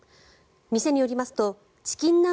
店によりますとチキン南蛮